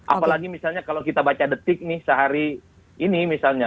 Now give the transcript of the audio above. apalagi misalnya kalau kita baca detik nih sehari ini misalnya